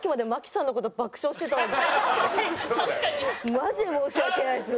マジで申し訳ないです。